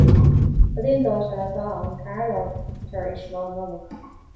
Cad é an dáta atá ann ceathair lá tar éis Lá Nollag?